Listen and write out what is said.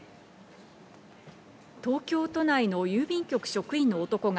東京都内の郵便局職員の男が